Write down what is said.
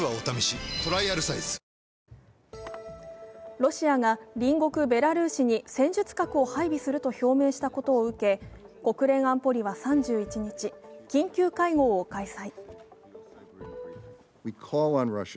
ロシアが隣国ベラルーシに戦術核を配備すると表明したことを受け国連安保理は３１日、緊急会合を開催。